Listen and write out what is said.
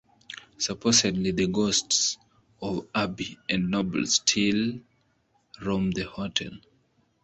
Supposedly the ghosts of Abby and Noble still roam the hotel.